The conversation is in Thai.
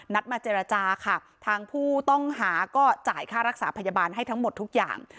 มาเจรจาค่ะทางผู้ต้องหาก็จ่ายค่ารักษาพยาบาลให้ทั้งหมดทุกอย่าง